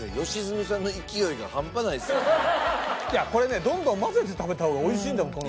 いやこれねどんどん混ぜて食べた方が美味しいんだもん。